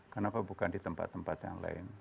kenapa bukan di tempat tempat yang lain